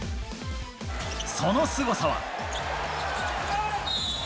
そのすごさは。